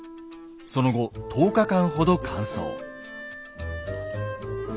その後１０日間ほど乾燥。